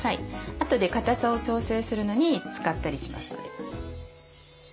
あとでかたさを調整するのに使ったりしますので。